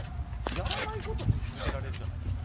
やらないことって続けられるじゃないですか。